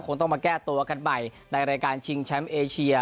คงต้องมาแก้ตัวกันใหม่ในรายการชิงแชมป์เอเชีย